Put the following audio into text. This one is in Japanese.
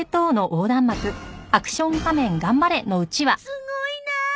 すごいなあ。